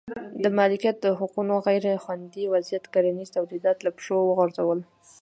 د مالکیت د حقونو غیر خوندي وضعیت کرنیز تولیدات له پښو وغورځول.